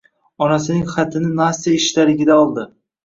Onasining xatini Nastya ishdaligida oldi.